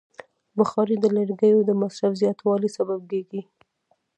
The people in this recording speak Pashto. بخاري د لرګیو د مصرف زیاتوالی سبب کېږي.